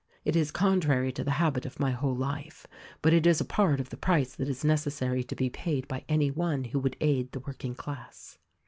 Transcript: It is contrary to the habit of my whole life; but it is a part of the price that is necessary to be paid by any one who would aid the working class.